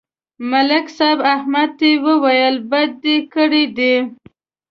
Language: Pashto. ملک صاحب احمد ته وویل: بدي دې کړې ده